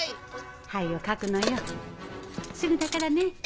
灰をかくのよすぐだからね。